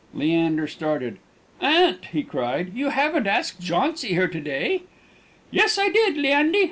Leander started. "Aunt!" he cried, "you haven't asked Jauncy here to day?" "Yes, I did, Leandy.